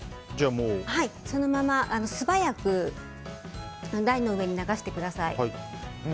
そのまま、素早く台の上に流してください。